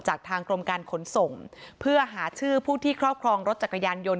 จากทางกรมการขนส่งเพื่อหาชื่อผู้ที่ครอบครองรถจักรยานยนต